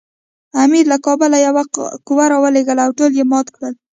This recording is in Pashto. امیر له کابله یوه قوه ورولېږله او ټول یې مات کړل.